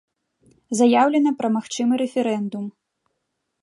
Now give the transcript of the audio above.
Заяўлена пра магчымы рэферэндум.